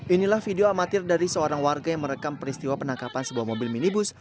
inilah video amatir dari seorang warga yang merekam peristiwa penangkapan sebuah mobil minibus